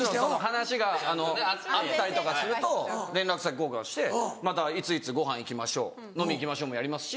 話が合ったりとかすると連絡先交換して「いついつごはん行きましょう」「飲み行きましょう」もやりますし。